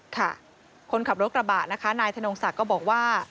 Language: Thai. ค่ะคนขับรถกระบะนะคะนายธนงศักดิ์ก็บอกว่า